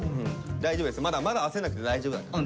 大丈夫ですよまだまだ焦んなくて大丈夫だから。